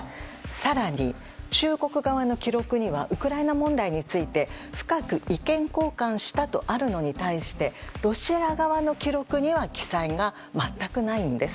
更に、中国側の記録にはウクライナ問題について深く意見交換したとあるのに対してロシア側の記録には記載が全くないんです。